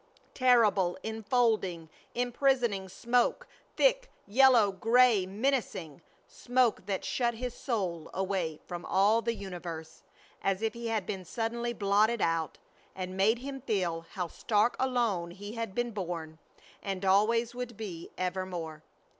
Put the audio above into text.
Terrible, enfolding, imprisoning smoke; thick, yellow, gray, menacing! Smoke that shut his soul away from all the universe, as if he had been suddenly blotted out, and made him feel how stark alone he had been born, and always would be evermore.